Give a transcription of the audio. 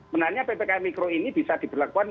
menurut saya ppkm mikro ini bisa diberlakukan